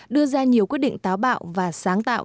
đưa ra nhiều quyết định táo bạo và sáng tạo